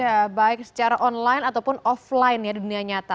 ya baik secara online ataupun offline ya dunia nyata